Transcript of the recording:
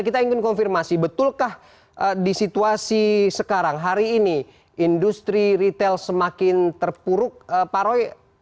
kita ingin konfirmasi betulkah di situasi sekarang hari ini industri retail semakin terpuruk pak roy